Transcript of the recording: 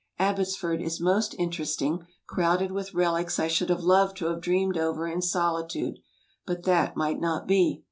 Abbotsford is most interesting, crowded with relics I should have loved to have dreamed over in solitude. But that might not be.